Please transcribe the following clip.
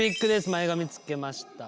前髪つけました。